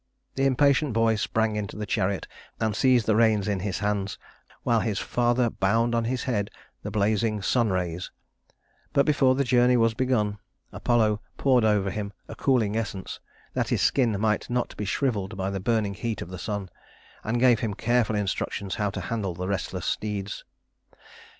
The impatient boy sprang into the chariot and seized the reins in his hands, while his father bound on his head the blazing sun rays; but before the journey was begun, Apollo poured over him a cooling essence, that his skin might not be shriveled by the burning heat of the sun, and gave him careful instructions how to handle the restless steeds.